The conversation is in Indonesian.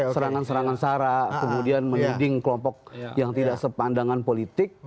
serangan serangan sara kemudian menuding kelompok yang tidak sepandangan politik